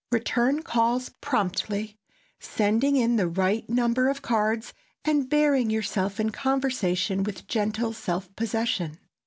Return calls promptly, sending in the right number of cards, and bearing yourself in conversation with gentle self possession.